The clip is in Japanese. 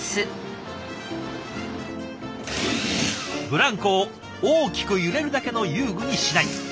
ブランコを大きく揺れるだけの遊具にしない。